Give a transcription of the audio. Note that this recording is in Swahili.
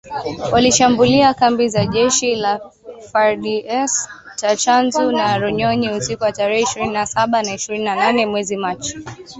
Walishambulia kambi za jeshi la FARDC za Tchanzu na Runyonyi, usiku wa tarehe ishirini na saba na ishirini na nane mwezi Machi